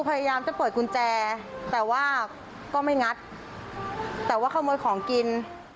พยายามจะเปิดกุญแจแต่ว่าก็ไม่งัดแต่ว่าขโมยของกิน